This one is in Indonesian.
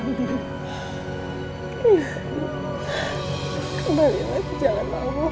kembalilah ke jalan allah